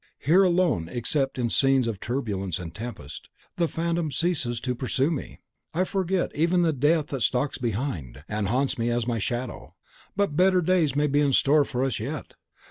Here alone, except in scenes of turbulence and tempest, the Phantom ceases to pursue me. I forget even the Death that stalks behind, and haunts me as my shadow. But better days may be in store for us yet.